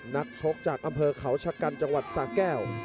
นักชกจากอำเภอเขาชะกันจังหวัดสาแก้ว